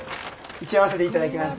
打ち合わせでいただきます。